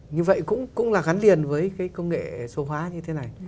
như vậy cũng là gắn liền với cái công nghệ số hóa như thế này